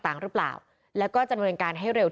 ทางคุณชัยธวัดก็บอกว่าการยื่นเรื่องแก้ไขมาตรวจสองเจน